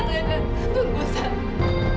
tante tunggu tante